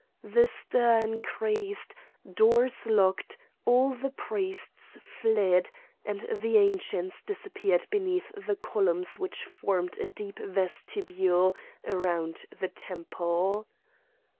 The stir increased, doors closed, all the priests fled, and the Ancients disappeared beneath the columns which formed a deep vestibule round the temple.